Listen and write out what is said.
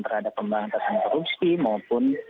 terhadap pembangkasan korupsi maupun